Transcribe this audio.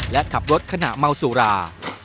และขับรถขณะเมาสุรา